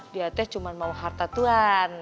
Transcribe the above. dia teh cuma mau harta tuhan